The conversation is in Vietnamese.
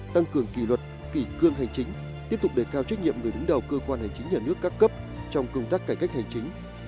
tăng cường kỷ luật kỷ cương hành chính tiếp tục đề cao trách nhiệm người đứng đầu cơ quan hành chính nhà nước các cấp trong công tác cải cách hành chính